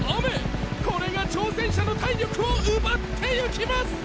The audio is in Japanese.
これが挑戦者の体力を奪っていきます！